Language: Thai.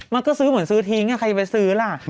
มันก็ซื้อเหมือนซื้อทิ้งใครจะไปซื้อล่ะ